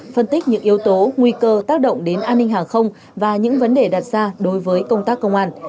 phân tích những yếu tố nguy cơ tác động đến an ninh hàng không và những vấn đề đặt ra đối với công tác công an